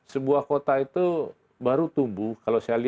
sebuah kota itu baru tumbuh kalau saya lihat